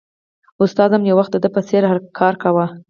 استاد هم یو وخت د ده په څېر کار کاوه